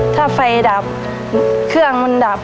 ถ้าไฟดับเครื่องมันดับ